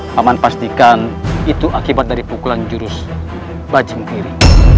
paman pastikan itu akibat dari pukulan jurus bajing kiri